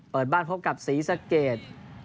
เปิดบ้านพบกับศรีสะเกด